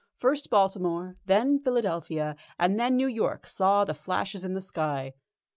First Baltimore, then Philadelphia, and then New York saw the flashes in the sky.